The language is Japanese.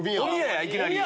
いきなり。